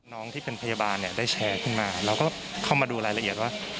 น้องที่เป็นพยาบาลเนี่ยได้แชร์ขึ้นมาเราก็เข้ามาดูรายละเอียดว่า